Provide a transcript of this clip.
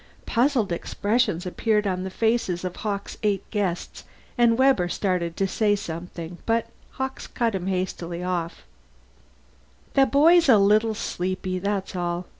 Puzzled expressions appeared on the faces of Hawkes' eight guests, and Webber started to say something, but Hawkes hastily cut him off. "The boy's a little sleepy, that's all.